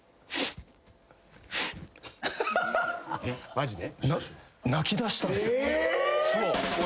・マジで？